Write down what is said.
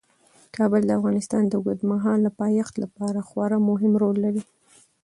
کابل د افغانستان د اوږدمهاله پایښت لپاره خورا مهم رول لري.